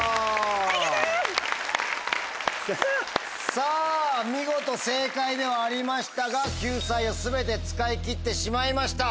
さぁ見事正解ではありましたが救済を全て使い切ってしまいました。